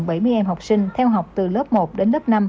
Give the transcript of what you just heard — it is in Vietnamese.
và có gần bảy mươi em học sinh theo học từ lớp một đến lớp năm